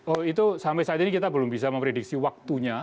oh itu sampai saat ini kita belum bisa memprediksi waktunya